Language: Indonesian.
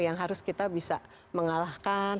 yang harus kita bisa mengalahkan